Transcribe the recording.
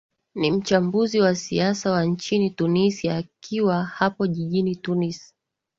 ni mchambuzi wa siasa wa nchini tunisia akiwa hapo jijini tunis